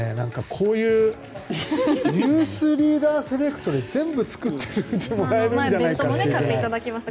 こういう「ニュースリーダー」セレクトで全部作ってもらえるんじゃないかって。